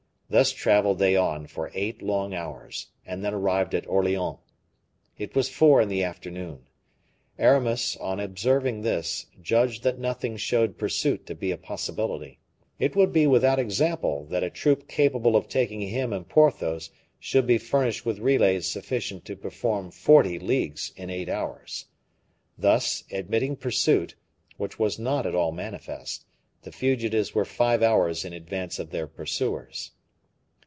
Thus traveled they on for eight long hours, and then arrived at Orleans. It was four o'clock in the afternoon. Aramis, on observing this, judged that nothing showed pursuit to be a possibility. It would be without example that a troop capable of taking him and Porthos should be furnished with relays sufficient to perform forty leagues in eight hours. Thus, admitting pursuit, which was not at all manifest, the fugitives were five hours in advance of their pursuers.